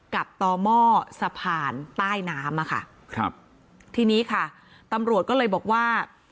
กับต่อหม้อสะพานใต้น้ำอ่ะค่ะครับทีนี้ค่ะตำรวจก็เลยบอกว่า